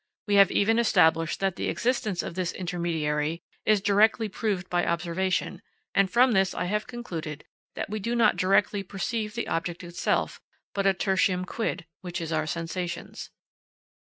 We have even established that the existence of this intermediary is directly proved by observation, and from this I have concluded that we do not directly perceive the object itself but a tertium quid, which is our sensations.